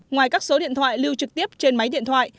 ngoài các số điện thoại lưu trực tiếp trên máy điện thoại